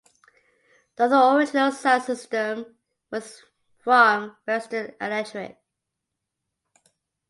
The other original sound system was from Western Electric.